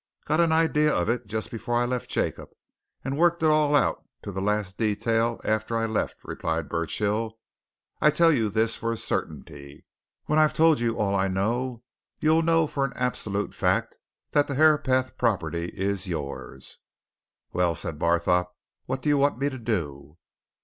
"Got an idea of it just before I left Jacob, and worked it all out, to the last detail, after I left," replied Burchill. "I tell you this for a certainty when I've told you all I know, you'll know for an absolute fact, that the Herapath property is yours!" "Well!" said Barthorpe. "What do you want me to do?"